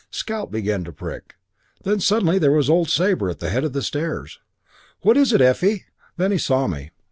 Scalp began to prick. Then suddenly there was old Sabre at the head of the stairs. 'What is it, Effie?' Then he saw me.